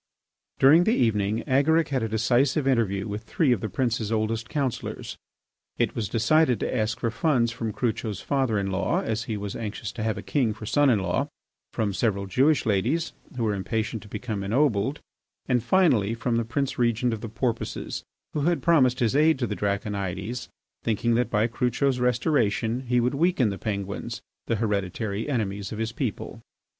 During the evening Agaric had a decisive interview with three of the prince's oldest councillors. It was decided to ask for funds from Crucho's father in law, as he was anxious to have a king for son in law, from several Jewish ladies, who were impatient to become ennobled, and, finally, from the Prince Regent of the Porpoises, who had promised his aid to the Draconides, thinking that by Crucho's restoration he would weaken the Penguins, the hereditary enemies of his people.